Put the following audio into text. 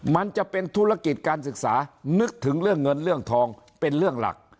มันจะเป็นธุรกิจการศึกษานึกถึงเรื่องเงินเรื่องทองเป็นเรื่องหลัก